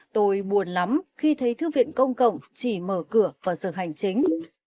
tôi buồn lắm khi thấy thư viện công cộng chỉ mở cửa vào giờ hành chính